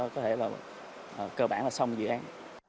cơ bản là xong dự án